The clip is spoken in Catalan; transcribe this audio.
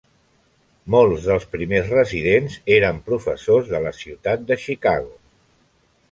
Molts dels primers residents eren professors de la ciutat de Chicago.